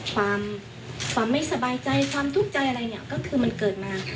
ความความไม่สบายใจความทุกข์ใจอะไรเนี่ยก็คือมันเกิดมา